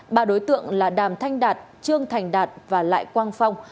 ba đối tượng là đàm thanh đạt trương thành đạt và lại quang phong